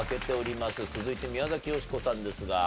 続いて宮崎美子さんですが。